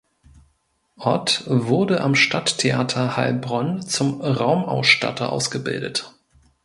Ott wurde am Stadttheater Heilbronn zum Raumausstatter ausgebildet.